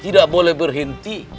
tidak boleh berhenti